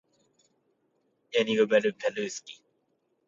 Пал град на пять гряд.